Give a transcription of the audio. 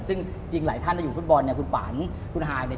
ซึ่งจริงหลายท่านอยู่ฟุตบอลเนี่ยคุณป่านคุณฮายเนี่ย